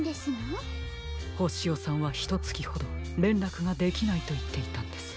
ホシヨさんはひとつきほどれんらくができないといっていたんです。